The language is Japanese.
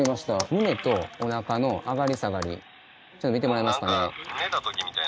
胸とおなかの上がり下がりちょっと見てもらえますかね？